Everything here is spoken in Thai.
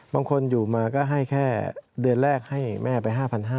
บางคนอยู่มาก็ให้แค่เดือนแรกให้แม่ไป๕๕๐๐